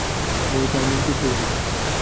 ভয়ে তার মন কুঁকড়ে এসেছে।